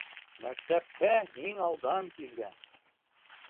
Мәктәпкә иң алдан килгән.